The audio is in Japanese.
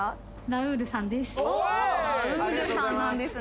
ラウールさんです